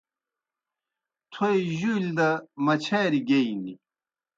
تھوئے جُولیْ دہ مچھاریْ گیئنیْ۔